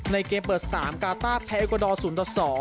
ในเกมเปิดสตามการ์ต้าแพร่เอ็กโกดอร์๐๒